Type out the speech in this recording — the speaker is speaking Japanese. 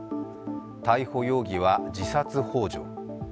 逮捕容疑は自殺ほう助。